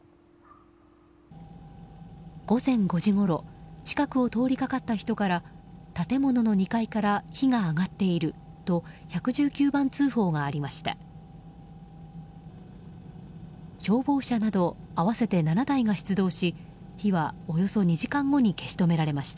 午前５時ごろ近くを通りかかった人から建物の２階から火が上がっていると１１９番通報がありました。